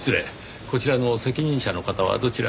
こちらの責任者の方はどちらに？